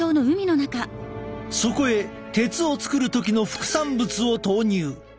そこへ鉄を作る時の副産物を投入。